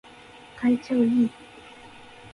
体調いい